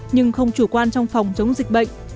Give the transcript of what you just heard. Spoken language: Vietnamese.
nhưng không chủ quan trong phòng chống dịch bệnh